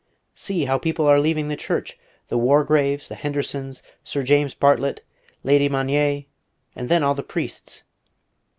"See how people are leaving the Church! The Wargraves, the Hendersons, Sir James Bartlet, Lady Magnier, and then all the priests.